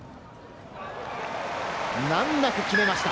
難なく決めました。